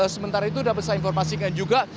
sementara itu dapat saya informasikan juga